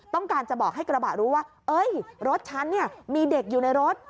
ต้องการจะบอกให้กระบะรู้ว่ารถฉันเนี่ยมีเด็กอยู่ในรถ